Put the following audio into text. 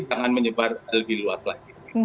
jangan menyebar lebih luas lagi